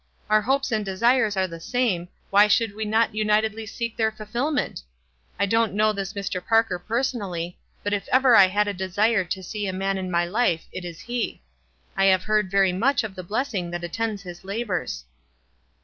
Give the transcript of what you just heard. " Our hopes and desires are the same, why should we not unitedly seek their fulfillment? [ don't know this Mr. Parker personally; but if ever I had a desire to see a man in my life it is he. I have heard very much of the blessing that attends his labors."